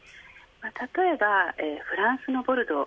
例えばフランスのボルドー